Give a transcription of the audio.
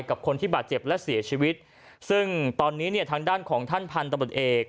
กับคนที่บาดเจ็บและเสียชีวิตซึ่งตอนนี้เนี่ยทางด้านของท่านพันธบทเอก